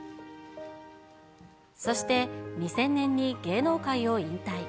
そして２０００年に芸能界を引退。